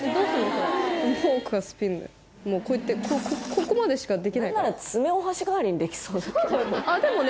それこうやってここまでしかできないから何なら爪をお箸代わりにできそうなあっでもね